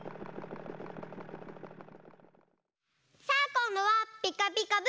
さあこんどは「ピカピカブ！」